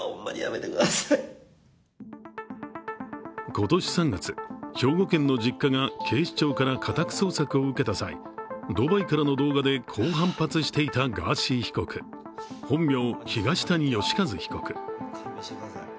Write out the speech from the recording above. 今年３月、兵庫県の自宅から警視庁から家宅捜索を受けた際、ドバイからの動画で、こう反発していたガーシー被告、本名・東谷義和被告。